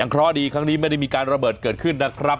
เพราะดีครั้งนี้ไม่ได้มีการระเบิดเกิดขึ้นนะครับ